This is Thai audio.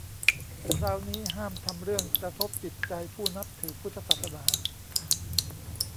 คราวนี้ห้ามทำเรื่องกระทบจิตใจผู้นับถือพุทธศาสนา